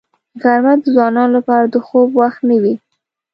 غرمه د ځوانانو لپاره د خوب وخت نه وي